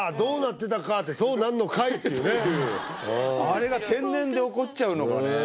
あれが天然で起こっちゃうのがね